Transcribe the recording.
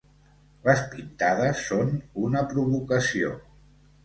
Les pintades són una provocació.